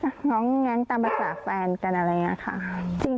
แค่แบบน้องแง๊งตามประสาทแฟนกันอะไรอย่างนี้ค่ะ